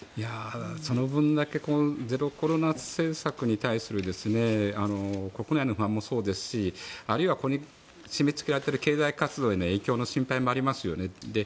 その分だけゼロコロナ政策に対する国内の不満もそうですしあるいはここで締めつけられている経済活動への心配もありますよね。